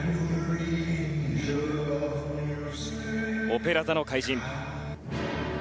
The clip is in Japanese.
「オペラ座の怪人」。